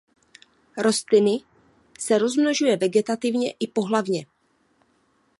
Rostliny se rozmnožuje vegetativně i pohlavně.